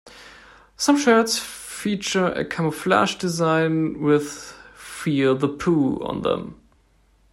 Some shirts feature a camouflage design with "Fear the Poo" on them.